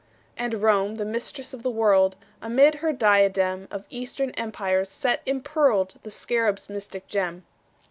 And Rome, the Mistress of the World, Amid her diadem Of Eastern Empires set impearled The Scarab's mystic gem.